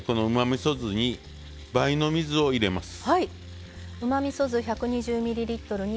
みそ酢に倍の水を入れます。